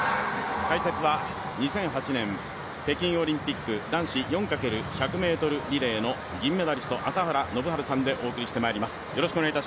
解説は２００８年北京オリンピック男子４×１００ｍリレーの銀メダリスト、朝原宣治さんでお送りしてまいります。